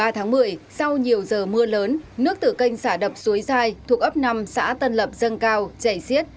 ba tháng một mươi sau nhiều giờ mưa lớn nước tử canh xả đập suối dài thuộc ấp năm xã tân lập dân cao chảy xiết